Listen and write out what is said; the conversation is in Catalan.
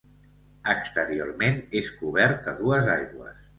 Exteriorment és cobert a dues aigües.